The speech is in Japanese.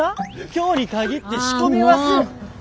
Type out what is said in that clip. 今日に限って仕込み忘れた？